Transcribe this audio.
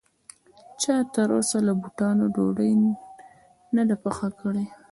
چا تر اوسه له بوټانو ډوډۍ نه ده پخه کړې